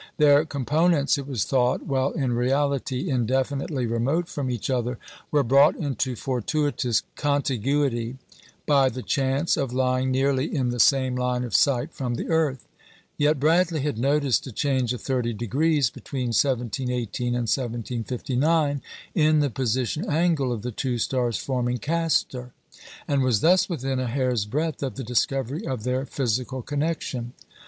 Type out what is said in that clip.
Their components, it was thought, while in reality indefinitely remote from each other, were brought into fortuitous contiguity by the chance of lying nearly in the same line of sight from the earth. Yet Bradley had noticed a change of 30°, between 1718 and 1759, in the position angle of the two stars forming Castor, and was thus within a hair's breadth of the discovery of their physical connection.